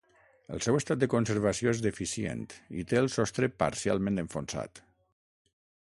El seu estat de conservació és deficient i té el sostre parcialment enfonsat.